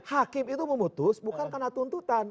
hakim itu memutus bukan karena tuntutan